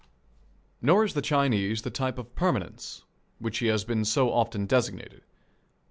Nor is the Chinese the type of permanence which he has been so often designated.